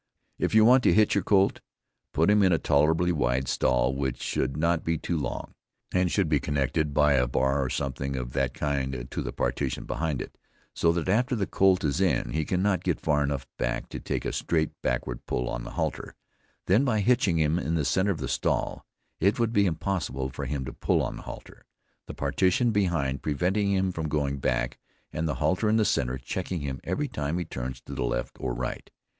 If you want to hitch your colt, put him in a tolerably wide stall which should not be too long, and should be connected by a bar or something of that kind to the partition behind it; so that, after the colt is in he cannot get far enough back to take a straight, backward pull on the halter; then by hitching him in the center of the stall, it would be impossible for him to pull on the halter, the partition behind preventing him from going back, and the halter in the center checking him every time he turns to the left or right.